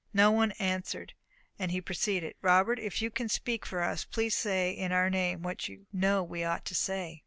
No one answered, and he proceeded: "Robert, if you can speak for us, please say in our name what you know we ought to say."